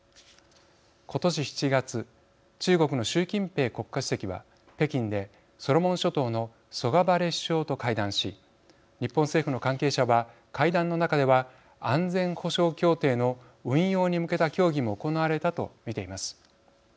今年７月中国の習近平国家主席は北京でソロモン諸島のソガバレ首相と会談し日本政府の関係者は会談の中では安全保障協定の運用に向けた協議も行われたと見ています。